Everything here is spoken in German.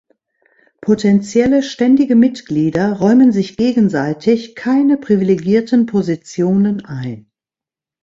Potenzielle ständige Mitglieder räumen sich gegenseitig keine privilegierten Positionen ein.